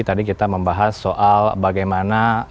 tadi kita membahas soal bagaimana